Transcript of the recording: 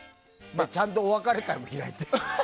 ちゃんとお別れ会も開いて。